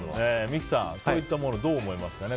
三木さん、こういったものどう思いますか？